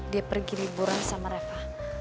dia pergi liburan sama refa